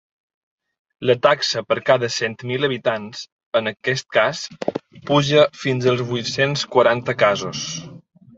La taxa per cada cent mil habitants, en aquest cas, puja fins al vuit-cents quaranta casos.